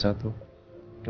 saya harus fokus ren